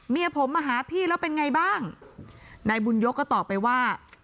เมียผมมาหาพี่แล้วเป็นไงบ้างนายบุญยกก็ตอบไปว่า